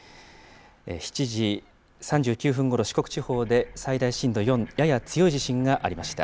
７時３９分ごろ、四国地方で最大震度４、やや強い地震がありました。